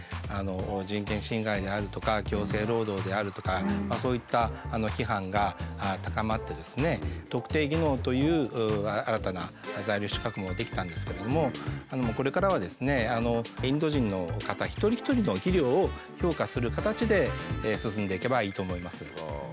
人権侵害であるとか強制労働であるとかそういった批判が高まってですね特定技能という新たな在留資格も出来たんですけれどもこれからはですねインド人の方一人一人の技量を評価する形で進んでいけばいいと思います。